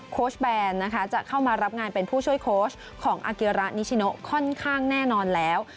แบนนะคะจะเข้ามารับงานเป็นผู้ช่วยโค้ชของอาเกียระนิชิโนค่อนข้างแน่นอนแล้ว